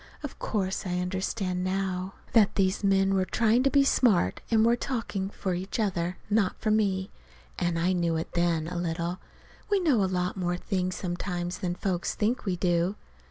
Of course I understand now that these men were trying to be smart, and were talking for each other, not for me. And I knew it then a little. We know a lot more things sometimes than folks think we do.